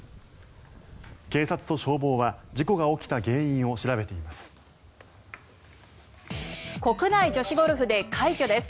警察と消防は事故が起きた原因を調べています。